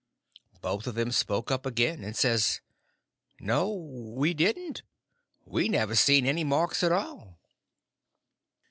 Both of them spoke up again, and says: "No, we didn't. We never seen any marks at all."